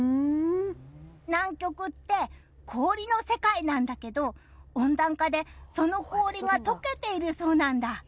南極って氷の世界なんだけど温暖化でその氷が解けているそうなんだ。